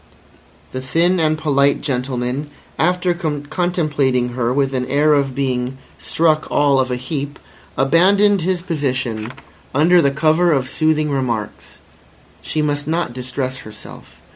The thin and polite gentleman, after contemplating her with an air of being "struck all of a heap," abandoned his position under the cover of soothing remarks. She must not distress herself.